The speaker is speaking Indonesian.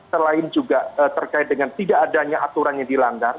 selain juga terkait dengan tidak adanya aturan yang dilanggar